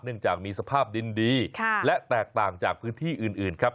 จากมีสภาพดินดีและแตกต่างจากพื้นที่อื่นครับ